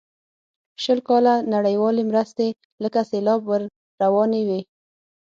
شل کاله نړیوالې مرستې لکه سیلاب ور روانې وې.